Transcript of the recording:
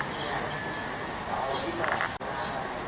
สวัสดีครับ